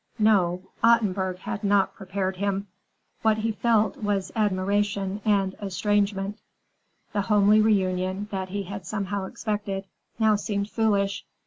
No, Ottenburg had not prepared him! What he felt was admiration and estrangement. The homely reunion, that he had somehow expected, now seemed foolish.